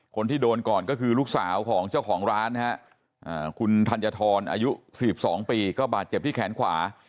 คนที่โดนก่อนก็คือลูกสาวของเจ้าของร้านนะฮะคุณธัญฑรอายุ๔๒ปีก็บาดเจ็บที่แขนขวา